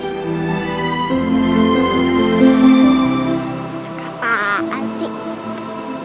masa kapan sih